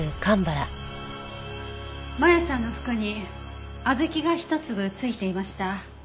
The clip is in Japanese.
真弥さんの服に小豆が一粒付いていました。